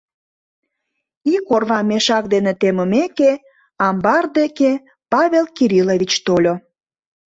Ик орвам мешак дене темымеке, амбар деке Павел Кириллович тольо.